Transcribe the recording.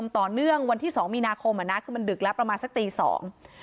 วันที่สองมีนาคมอ่ะนะคือมันดึกแล้วประมาณสักตีสอง